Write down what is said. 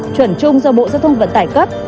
chuẩn chung do bộ giao thông vận tải cấp